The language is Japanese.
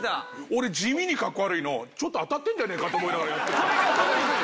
俺地味にかっこ悪いのちょっと当たってんじゃねえかと思いながらやってた。